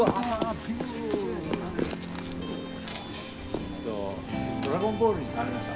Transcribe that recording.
ちょっと「ドラゴンボール」に変わりました。